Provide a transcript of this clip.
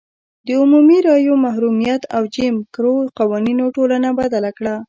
د عمومي رایو محرومیت او جیم کرو قوانینو ټولنه بدله کړه.